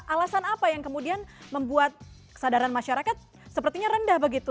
alasan apa yang kemudian membuat kesadaran masyarakat sepertinya rendah begitu